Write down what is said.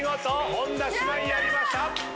本田姉妹やりました！